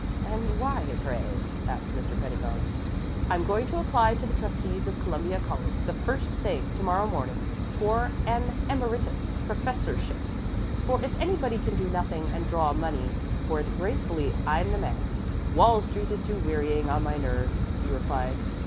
"And why, pray?" asked Mr. Pedagog. "I'm going to apply to the Trustees of Columbia College the first thing to morrow morning for an Emeritus Professorship, for if anybody can do nothing and draw money for it gracefully I'm the man. Wall Street is too wearing on my nerves," he replied.